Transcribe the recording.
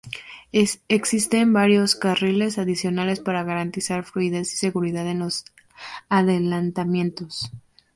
Existen varios carriles adicionales para garantizar fluidez y seguridad en los adelantamientos.